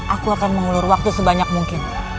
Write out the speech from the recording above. aku akan mengulur waktu sebanyak mungkin